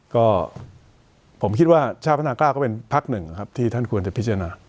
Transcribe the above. ก็ผมคิดว่าชาติพัฒนากล้าก็เป็นพักหนึ่งนะครับที่ท่านควรจะพิจารณา